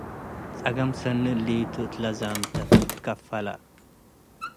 ጽገም ሰኒ እሊቱ - እትለ ዛምተት ትካፈለ